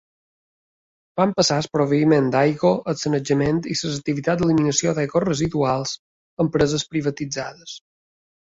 Van passar el proveïment d'aigua, el sanejament i les activitats d'eliminació d'aigües residuals a empreses privatitzades.